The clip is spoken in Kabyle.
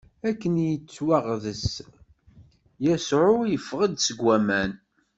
Akken yettwaɣḍeṣ, Yasuɛ iffeɣ-d seg waman.